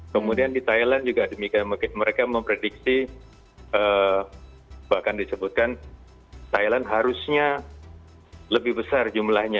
kemudian di thailand juga demikian mereka memprediksi bahkan disebutkan thailand harusnya lebih besar jumlahnya